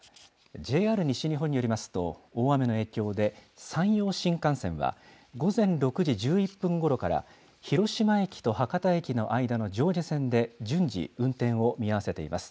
ＪＲ西日本によりますと、大雨の影響で、山陽新幹線は午前６時１１分ごろから広島駅と博多駅の間の上下線で順次、運転を見合わせています。